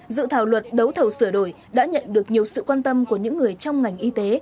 dự thảo luật đấu thầu sửa đổi đã nhận được nhiều sự quan tâm của những người trong ngành y tế